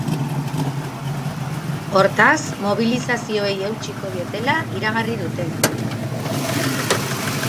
Hortaz, mobilizazioei eutsiko dietela iragarri dute.